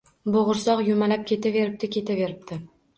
Bo’g’irsoq yumalab ketaveribdi, ketaveribdi